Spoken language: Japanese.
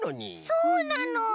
そうなの。